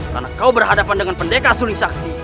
karena kau berhadapan dengan pendekat suling sakti